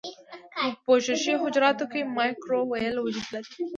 په پوښښي حجراتو کې مایکروویلې وجود لري.